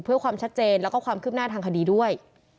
เพื่อความชัดเจนแล้วก็ความคืบหน้าทางคดีด้วย